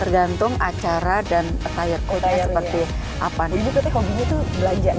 tergantung acara jadi kalau malam biasanya tinggi udah ngetek